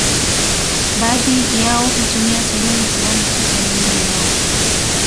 Baadhi yao hutumia sehemu fulani tu za miili yao.